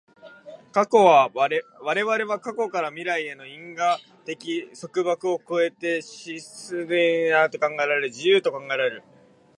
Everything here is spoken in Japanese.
我々は過去から未来への因果的束縛を越えて思惟的であると考えられる、自由と考えられる。